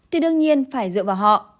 thì đương nhiên phải dựa vào họ